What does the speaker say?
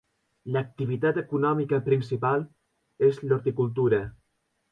L'activitat econòmica principal és l'horticultura.